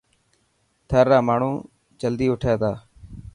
ٿر را ماڻهو جلدي اوٺي ٿا.